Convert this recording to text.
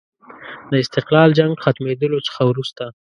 د استقلال جنګ ختمېدلو څخه وروسته.